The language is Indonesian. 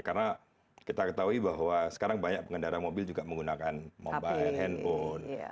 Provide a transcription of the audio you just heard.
karena kita ketahui bahwa sekarang banyak pengendara mobil juga menggunakan mobile handphone